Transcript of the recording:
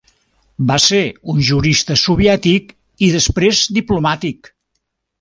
Va ser un jurista soviètic, i després diplomàtic.